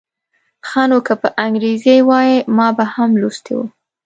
ښه نو که په انګریزي وای ما به هم لوستی و.